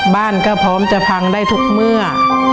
บ้านก็พร้อมจะพังได้ทุกเมื่อ